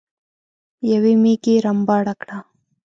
يوې ميږې رمباړه کړه.